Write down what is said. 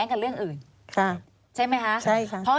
ควิทยาลัยเชียร์สวัสดีครับ